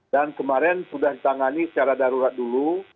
dan kemarin sudah ditangani secara darurat dulu